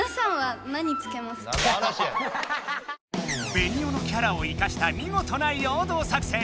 ベニオのキャラを生かしたみごとなようどう作戦！